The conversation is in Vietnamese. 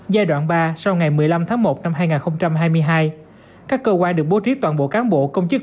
giai đoạn ba sau ngày một mươi năm tháng một năm hai nghìn hai mươi hai các cơ quan được bố trí toàn bộ cán bộ công chức